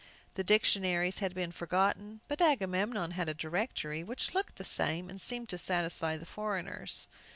The dictionaries had been forgotten, but Agamemnon had a directory, which looked the same, and seemed to satisfy the foreigners.